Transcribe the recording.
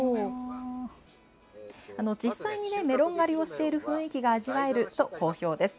実際にメロン狩りをしてる雰囲気を味わえると好評です。